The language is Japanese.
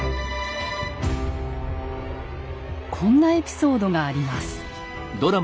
こんなエピソードがあります。